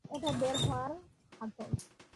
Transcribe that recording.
ওটা বের হওয়ার হাতল।